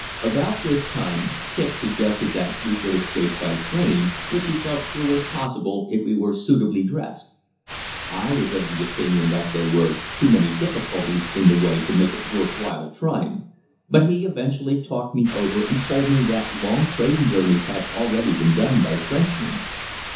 About this time Kicq suggested that we should escape by train, which he felt sure was possible if we were suitably dressed. I was of the opinion that there were too many difficulties in the way to make it worth while trying, but he eventually talked me over and told me that long train journeys had already been done by Frenchmen.